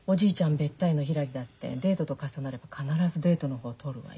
べったりのひらりだってデートと重なれば必ずデートの方取るわよ。